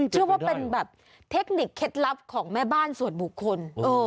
เชื่อว่าเป็นแบบเทคนิคเคล็ดลับของแม่บ้านส่วนบุคคล